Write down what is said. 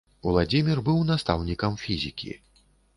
Уладзімір быў настаўнікам фізікі.